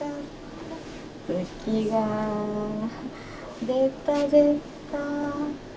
「月が出た出た」